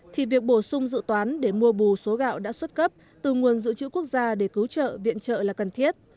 thì việc bổ sung dự toán để mua bù số gạo đã xuất cấp từ nguồn dự trữ quốc gia để cứu trợ viện trợ là cần thiết